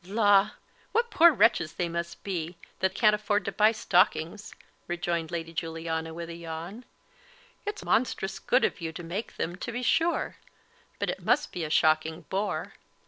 "La! what poor wretches they must be, that can't afford to buy stockings," rejoined Lady Juliana, with a yawn. "It's monstrous good of you to make them, to be sure; but it must be a shocking bore!